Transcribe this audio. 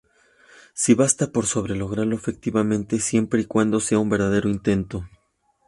Sí, basta por sobre lograrlo efectivamente, siempre y cuando sea un verdadero intento.